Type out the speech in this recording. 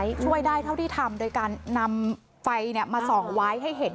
ช่วยได้เท่าที่ทำโดยการนำไฟมาส่องไว้ให้เห็น